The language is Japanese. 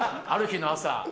「ある日の朝」